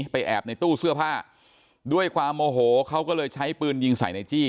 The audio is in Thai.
แอบในตู้เสื้อผ้าด้วยความโมโหเขาก็เลยใช้ปืนยิงใส่ในจี้